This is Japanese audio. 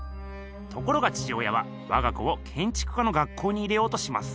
ところが父親はわが子をけんちく家の学校に入れようとします。